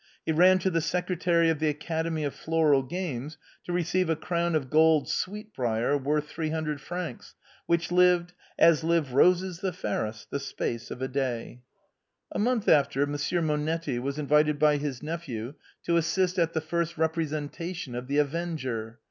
He ran to the secretary of the academy of floral games, to receive a crown of gold sweet brier, worth three hundred francs, which lived " as live roses the fairest — The space of the day." A month after. Monsieur Monetti was invited by his nephew to assist at the first representation of " The Avenger."